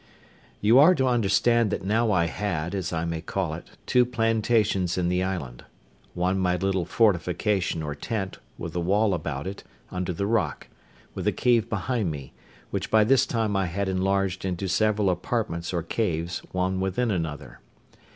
You are to understand that now I had, as I may call it, two plantations in the island—one my little fortification or tent, with the wall about it, under the rock, with the cave behind me, which by this time I had enlarged into several apartments or caves, one within another.